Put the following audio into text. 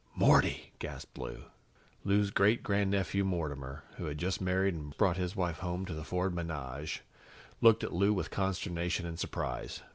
"Morty!" gasped Lou. Lou's great grandnephew, Mortimer, who had just married and brought his wife home to the Ford menage, looked at Lou with consternation and surprise.